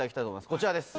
こちらです。